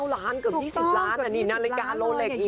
ล้านเกือบ๒๐ล้านนี่นาฬิกาโลเล็ก